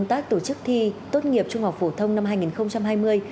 công tác tổ chức thi tốt nghiệp trung học phổ thông năm hai nghìn hai mươi